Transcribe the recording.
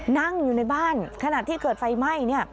นั่งอยู่ในบ้านขณะที่เกิดไฟไหม้